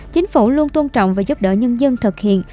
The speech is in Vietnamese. chính phủ luôn tôn trọng và giúp đỡ nhân dân thực hiện